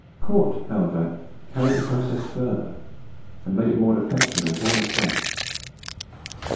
Cort, however, carried the process further, and made it more effectual in all respects.